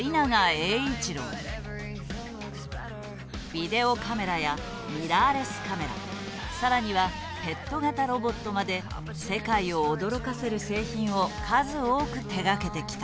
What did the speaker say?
ビデオカメラやミラーレスカメラ更にはペット型ロボットまで世界を驚かせる製品を数多く手がけてきた。